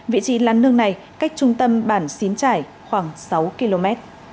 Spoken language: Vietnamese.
vị trí lán nương này cách trung tâm bản xín trải khoảng sáu km